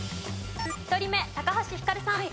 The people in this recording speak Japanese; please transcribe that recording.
１人目橋ひかるさん。